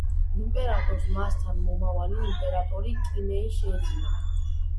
იმპერატორს მასთან მომავალი იმპერატორი, კიმეი შეეძინა.